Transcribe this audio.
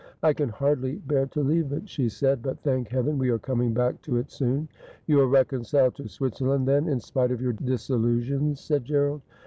' I can hardly bear to leave it,' she said ;' but, thank Heaven, we are coming back to it soon.' 'You are reconciled to Switzerland, then, in spite of your disillusions,' said Gerald.